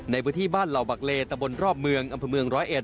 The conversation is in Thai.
ในพื้นที่บ้านเหล่าบักเลตะบนรอบเมืองอำพันธุ์เมือง๑๐๑